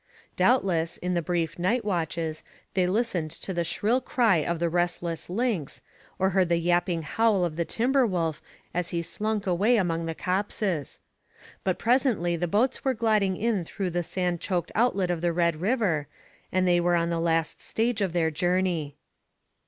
Doubtless, in the brief night watches, they listened to the shrill cry of the restless lynx, or heard the yapping howl of the timber wolf as he slunk away among the copses. But presently the boats were gliding in through the sand choked outlet of the Red River, and they were on the last stage of their journey.